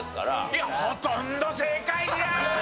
いやほとんど正解じゃん！